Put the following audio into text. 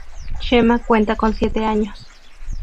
Chema cuenta con siete años.